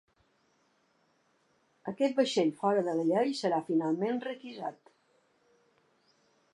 Aquest vaixell fora de la llei serà finalment requisat.